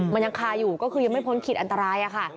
มันยังคาอยู่ก็คือยังไม่พ้นขีดอันตรายค่ะ